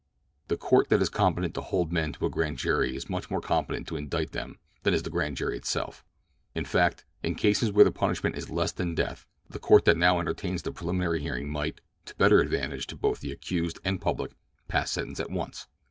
"The court that is competent to hold men to the grand jury is much more competent to indict them than is the grand jury itself. In fact, in cases where the punishment is less than death the court that now entertains the preliminary hearing might, to much better advantage to both the accused and public, pass sentence at once.